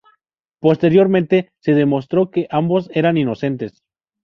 Posteriormente se demostró que ambos eran inocentes.